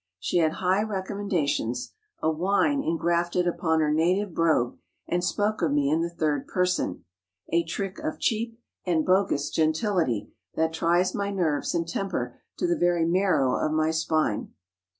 She had high recommendations, a whine engrafted upon her native brogue, and spoke of me in the third person—a trick of cheap (and bogus) gentility that tries my nerves and temper to the very marrow of my spine.